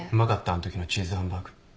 あんときのチーズハンバーグ。